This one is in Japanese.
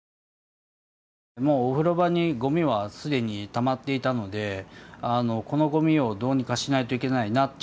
もうお風呂場にゴミは既にたまっていたのでこのゴミをどうにかしないといけないな。